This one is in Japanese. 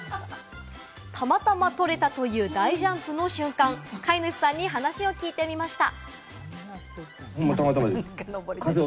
たまたま撮れたという大ジャンプの瞬間、飼い主さんに話を聞いてみました。